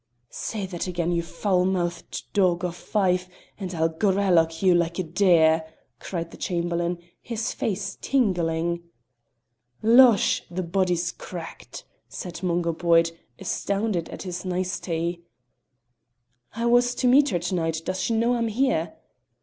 "Say that again, you foul mouthed dog o' Fife, and I'll gralloch you like a deer!" cried the Chamberlain, his face tingling. "Losh! the body's cracked," said Mungo Boyd, astounded at this nicety. "I was to meet her to night; does she know I'm here?"